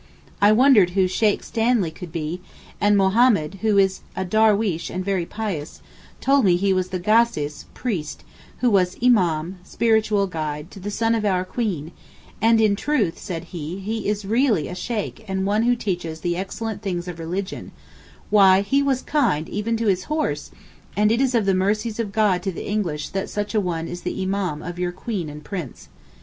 I wondered who 'Sheykh' Stanley could be, and Mahommed (who is a darweesh and very pious) told me he was the Gassis (priest) who was Imám (spiritual guide) to the son of our Queen, 'and in truth,' said he, 'he is really a Sheykh and one who teaches the excellent things of religion, why he was kind even to his horse! and it is of the mercies of God to the English that such a one is the Imám of your Queen and Prince.